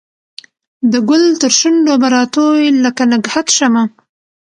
د ګل ترشو نډو به راتوی لکه نګهت شمه